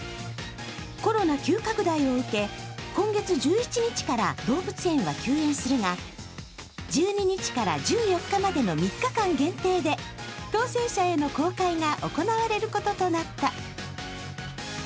コロナ急拡大を受け、今月１１日から動物園は休園するが１２日から１４日までの３日間限定で、当選者への公開が行われることとなった。